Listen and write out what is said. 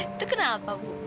itu kenapa bu